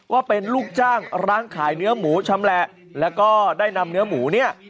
ว่าเป็นลูกจ้างร้านขายเนื้อหมูชำแหละแล้วก็ได้นำเนื้อหมูเนี่ย